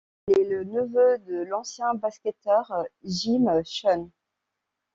Il est le neveu de l'ancien basketteur Jim Chones.